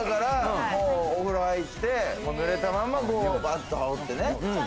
お風呂入って、濡れたままバッと羽織って。